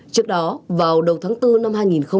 trước đó vào đầu tháng bốn năm hai nghìn hai mươi